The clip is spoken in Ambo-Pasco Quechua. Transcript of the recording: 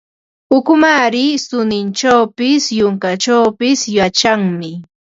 Ukumaari suninchawpis, yunkachawpis yachanmi.